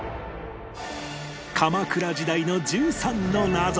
鎌倉時代の１３の謎